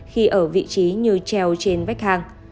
khi ở vị trí như treo trên vách hang